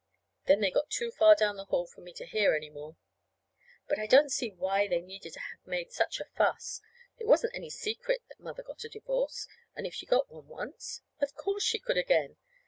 Then they got too far down the hall for me to hear any more. But I don't see why they needed to have made such a fuss. It wasn't any secret that Mother got a divorce; and if she got one once, of course she could again.